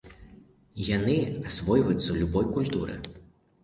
Яны асвойваюцца ў любой культуры.